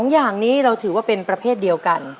อย่างนี้เราถือว่าเป็นประเภทเดียวกัน